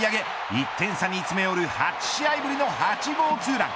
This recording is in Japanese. １点差に詰め寄る８試合ぶりの８号ツーラン。